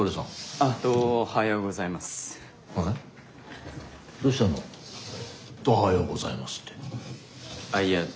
あっいや